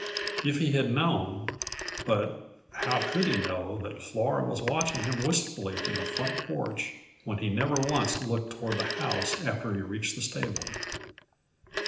If he had known but how could he know that Flora was watching him wistfully from the front porch, when he never once looked toward the house after he reached the stable?